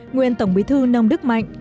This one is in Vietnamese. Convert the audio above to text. nguyên tổng bí thư nông đức mạnh